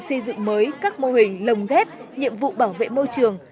xây dựng mới các mô hình lồng ghép nhiệm vụ bảo vệ môi trường